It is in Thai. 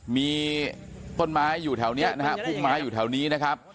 มีต้นไม้อยู่แถวนี้นะฮะพุ่งไม้อยู่แถวนี้นะครับ